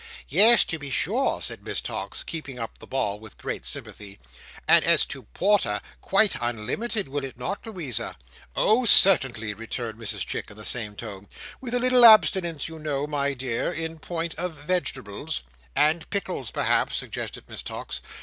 "Yes to be sure!" said Miss Tox, keeping up the ball with great sympathy. "And as to porter!—quite unlimited, will it not, Louisa?" "Oh, certainly!" returned Mrs Chick in the same tone. "With a little abstinence, you know, my dear, in point of vegetables." "And pickles, perhaps," suggested Miss Tox.